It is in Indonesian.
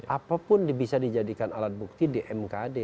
apapun bisa dijadikan alat bukti di mkd